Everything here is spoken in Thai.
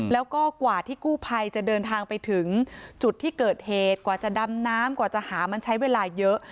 แล้วก็กว่าที่กู้ภัยจะเดินทางไปถึงจุดที่เกิดเหตุกว่าจะดำน้ำกว่าจะหามันใช้เวลาเยอะ